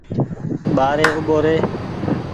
ٻآري اوٻو ري۔